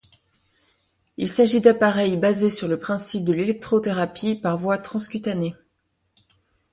Il s'agit d'appareils basés sur le principe de l'électrothérapie, par voie transcutanée.